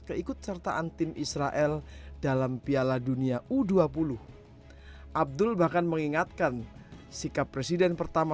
keikut sertaan tim israel dalam piala dunia u dua puluh abdul bahkan mengingatkan sikap presiden pertama